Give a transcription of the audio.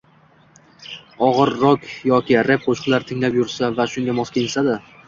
og‘ir rok yoki rep qo‘shiqlar tinglab yursa va shunga mos kiyinsa-da